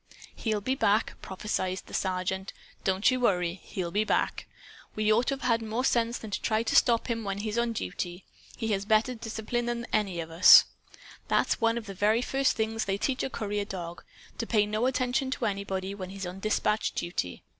"He'll be back," prophesied the Sergeant. "Don't you worry. He'll be back. We ought to have had more sense than try to stop him when he's on duty. He has better discipline than the rest of us. That's one of very first things they teach a courier dog to pay no attention to anybody, when he's on dispatch duty.